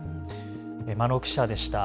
眞野記者でした。